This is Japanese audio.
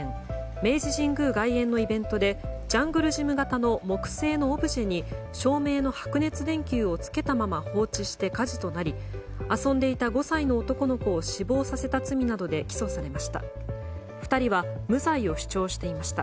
明治神宮外苑のイベントでジャングルジム型の木製のオブジェに照明の白熱電球をつけたまま放置して火事となり遊んでいた５歳の男の子を死亡させた罪などで起訴されました。